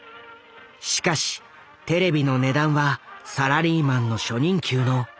しかしテレビの値段はサラリーマンの初任給の２０倍以上。